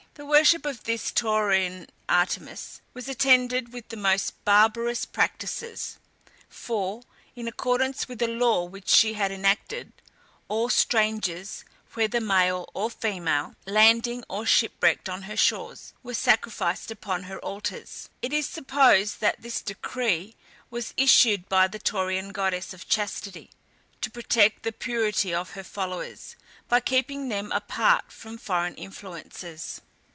The worship of this Taurian Artemis was attended with the most barbarous practices, for, in accordance with a law which she had enacted, all strangers, whether male or female, landing, or shipwrecked on her shores, were sacrificed upon her altars. It is supposed that this decree was issued by the Taurian goddess of Chastity, to protect the purity of her followers, by keeping them apart from foreign influences.